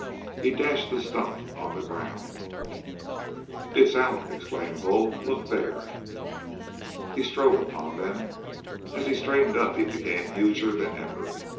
He dashed the stump on the ground. "It's out!" exclaimed Bull. "Look there!" He strode upon them. As he straightened up he became huger than ever.